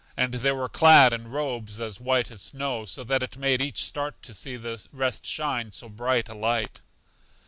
And they were clad in robes as white as snow, so that it made each start to see the rest shine with so bright a light.